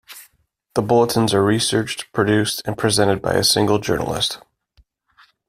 The bulletins are researched, produced and presented by a single journalist.